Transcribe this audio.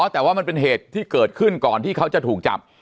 แต่ว่ามันเป็นเหตุที่เกิดขึ้นก่อนที่เขาจะถูกจับ